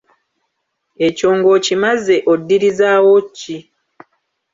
Ekyo ng'okimaze oddirizaawo ki?